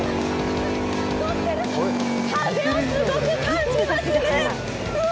風をすごく感じますね。